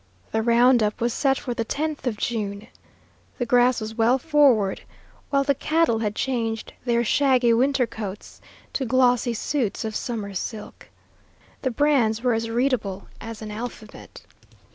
The round up was set for the 10th of June. The grass was well forward, while the cattle had changed their shaggy winter coats to glossy suits of summer silk. The brands were as readable as an alphabet.